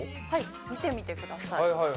見てみてください。